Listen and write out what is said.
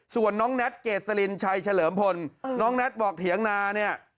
ส่วนน้องแน็ตเกษลินชัยเฉลิมพลน้องแน็ตบอกเถียงนาเนี่ย